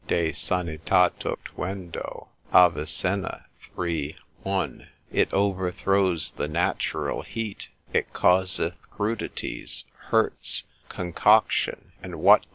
de sanitate tuendo, Avicenna 3. 1. It overthrows the natural heat, it causeth crudities, hurts, concoction, and what not?